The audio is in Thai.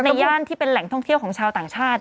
ย่านที่เป็นแหล่งท่องเที่ยวของชาวต่างชาติ